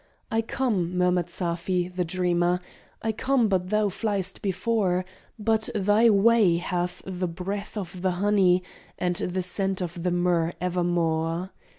"I come," murmured Safi, the dreamer, "I come, but thou fliest before: But thy way hath the breath of the honey, And the scent of the myrrh evermore!"